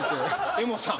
江本さん。